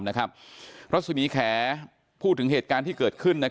รัศมีแขพูดถึงเหตุการณ์ที่เกิดขึ้น